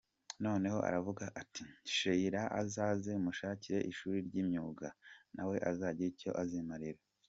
Noneho aravuga ati : Sheila azaze mushakire ishuri ry’imyuga, na we azagire icyo azimarira.